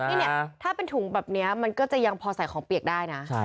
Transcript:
นี่เนี่ยถ้าเป็นถุงแบบนี้มันก็จะยังพอใส่ของเปียกได้นะ